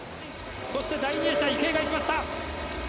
第２泳者池江がいきました！